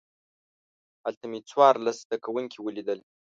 هلته مې څوارلس زده کوونکي ولیدل.